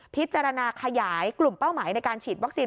พิจารณาขยายกลุ่มเป้าหมายในการฉีดวัคซีน